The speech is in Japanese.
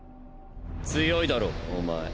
強いだろおまえ。